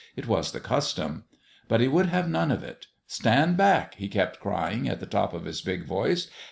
It was the custom. But he would have none of it "Stand back !" he kept crying, at the top of his big voice.